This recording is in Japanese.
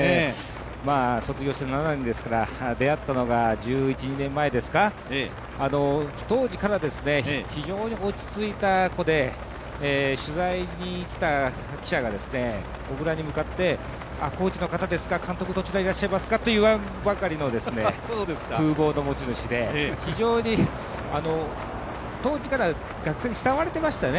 卒業して７年ですから、出会ったのが１１１２年前ですか、当時から非常に落ち着いた子で、取材に来た記者が小椋に向かってコーチの方ですか、監督どちらにいらっしゃいますかと言わんばかりの風貌の持ち主で、非常に当時から学生に慕われていましたね。